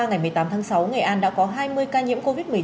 ngày một mươi tám tháng sáu nghệ an đã có hai mươi ca nhiễm covid một mươi chín